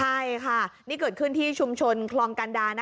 ใช่ค่ะนี่เกิดขึ้นที่ชุมชนคลองกันดา